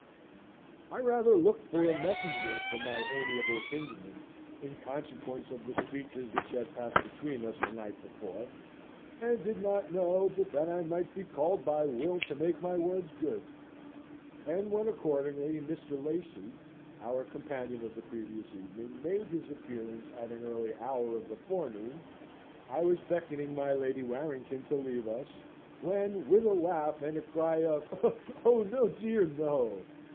I rather looked for a messenger from my amiable kinsman in consequence of the speeches which had passed between us the night before, and did not know but that I might be called by Will to make my words good; and when accordingly Mr. Lacy (our companion of the previous evening) made his appearance at an early hour of the forenoon, I was beckoning my Lady Warrington to leave us, when, with a laugh and a cry of "Oh dear, no!"